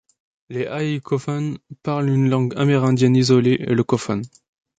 Les A'i Cofán parlent une langue amérindienne isolée, le cofán.